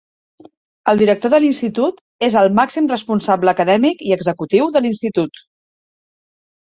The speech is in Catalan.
El director de l'institut, és el màxim responsable acadèmic i executiu de l'institut.